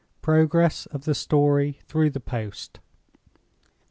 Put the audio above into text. PROGRESS OF THE STORY THROUGH THE POST.